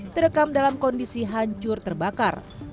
terekam dalam kondisi hancur terbakar